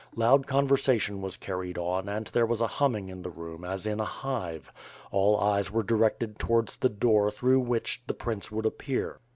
Loud conversation was carried on and there was a humming in the room as in a hive, all eyes were directed towards the door throug^h whichi the prince would appear.